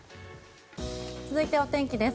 続いてお天気です。